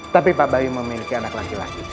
tapi pak bayu memiliki anak laki laki